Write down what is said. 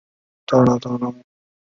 黄道周墓的历史年代为清。